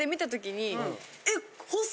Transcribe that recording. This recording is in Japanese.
えっ！